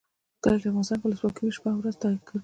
کله چې افغانستان کې ولسواکي وي شپه او ورځ کار کیږي.